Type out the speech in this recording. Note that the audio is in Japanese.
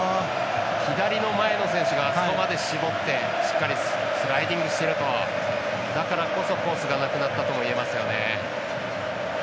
左の前の選手があそこまで絞ってしっかりスライディングしているとだからこそコースがなくなったともいえますよね。